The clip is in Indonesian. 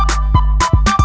kau mau kemana